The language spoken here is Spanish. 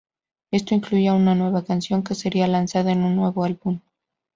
Esto incluía una nueva canción, que sería lanzada en un nuevo álbum.